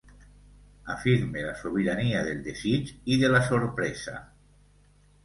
Afirme la sobirania del desig i de la sorpresa.